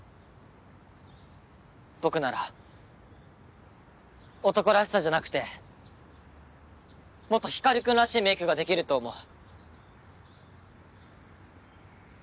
僕なら「男らしさ」じゃなくてもっと光君らしいメイクができると思う。